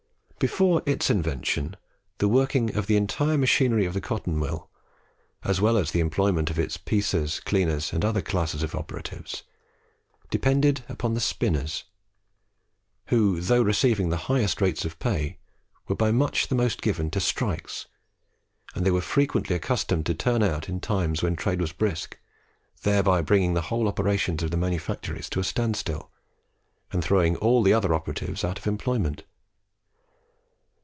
Before its invention, the working of the entire machinery of the cotton mill, as well as the employment of the piecers, cleaners, and other classes of operatives, depended upon the spinners, who, though receiving the highest rates of pay, were by much the most given to strikes; and they were frequently accustomed to turn out in times when trade was brisk, thereby bringing the whole operations of the manufactories to a standstill, and throwing all the other operatives out of employment.